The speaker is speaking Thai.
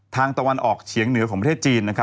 ตะวันออกเฉียงเหนือของประเทศจีน